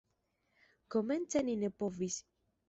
Komence ni ne povis.